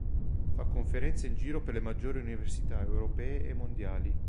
Fa conferenze in giro per le maggiori università Europee e mondiali.